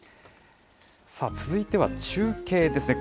続いては中継ですね。